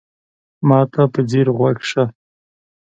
ما ته په ځیر غوږ شه !